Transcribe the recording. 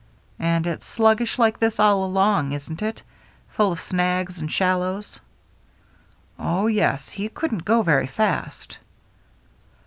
" And it's sluggish like this all along, isn't it ? Full of snags and shallows ?"" Oh, yes, he couldn't go very fast."